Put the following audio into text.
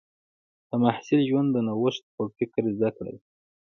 د محصل ژوند د نوښت او فکر زده کړه ده.